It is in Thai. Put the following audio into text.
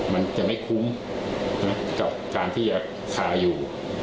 มันจะไม่คุ้มกับการที่จะคาอยู่